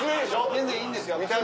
全然いいんですよ